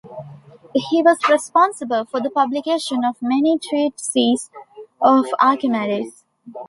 He was responsible for the publication of many treatises of Archimedes.